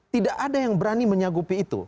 tidak ada yang berani menyagupi itu